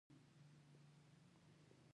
دا پېښه سېمبولیک لحاظ خپګان خبره وه